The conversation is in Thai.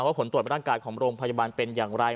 ผลตรวจร่างกายของโรงพยาบาลเป็นอย่างไร